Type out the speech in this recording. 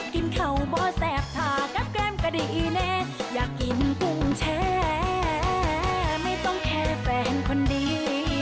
กินข้าวบ่อแสบถ้ากับแก้มก็ดีแน่อยากกินกุ้งแชไม่ต้องแค่แฟนคนเดียว